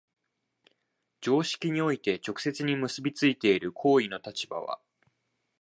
常識において直接に結び付いている行為の立場は、